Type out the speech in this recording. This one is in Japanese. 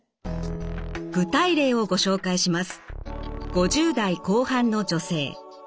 具体例をご紹介します。